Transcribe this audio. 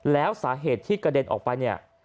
แล้วสาเหตุที่กระเด็นออกไปเนี่ย